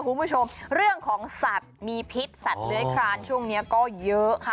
คุณผู้ชมเรื่องของสัตว์มีพิษสัตว์เลื้อยคลานช่วงนี้ก็เยอะค่ะ